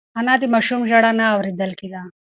انا ته د ماشوم ژړا نه اورېدل کېده.